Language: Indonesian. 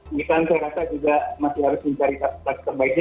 kita kan kita rasa juga masih harus mencari touch terbaiknya